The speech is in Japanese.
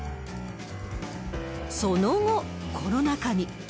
その後、コロナ禍に。